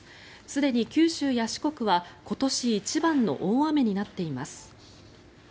すでに九州や四国は今年一番の大雨になっています。